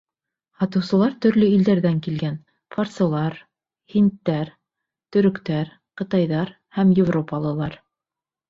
Һатыусылар төрлө илдәрҙән килгән: фарсылар, һиндтәр, төрөктәр, ҡытайҙар һәм европалылар.